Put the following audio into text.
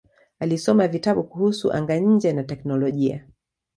Alisoma vitabu kuhusu anga-nje na teknolojia.